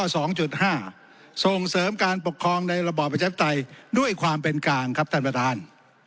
ส่งเสริมการปกครองในระบอบประชาธิปไตยด้วยความเป็นกลางครับท่านประธาน